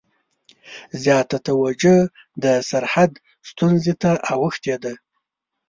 زیاته توجه د سرحد ستونزې ته اوښتې ده.